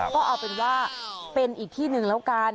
ก็เอาเป็นว่าเป็นอีกที่หนึ่งแล้วกัน